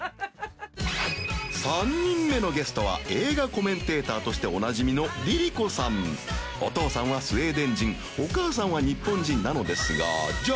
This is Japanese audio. ３人目のゲストは映画コメンテーターとしておなじみのＬｉＬｉＣｏさんお父さんはスウェーデン人お母さんは日本人覆里任垢じゃあ